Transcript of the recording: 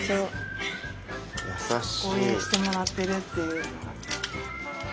応援してもらってるっていう。